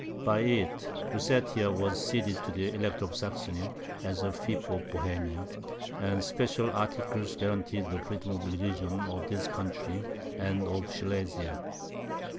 By it, Lusatia was ceded to the Elector of Saxony as a fief of Bohemia, and special articles guaranteed the freedom of religion of this country and of Silesia.